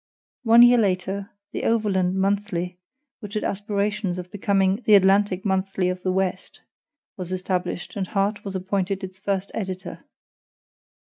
One year later, THE OVERLAND MONTHLY, which had aspirations of becoming "the ATLANTIC MONTHLY of the West," was established, and Harte was appointed its first editor.